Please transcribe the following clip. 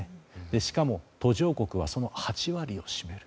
しかも途上国はその８割を占める。